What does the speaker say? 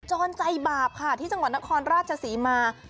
ใจบาปค่ะที่จังหวัดนครราชศรีมา